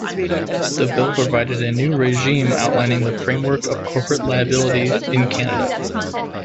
The bill provided a new regime outlining the framework of corporate liability in Canada.